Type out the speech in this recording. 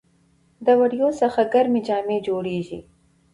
د وړیو څخه ګرمې جامې جوړیږي.